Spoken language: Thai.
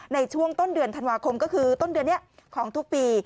ในช่วงต้นเดือนธันวาคมก็คือต้นเดือนนี้ของทุกปี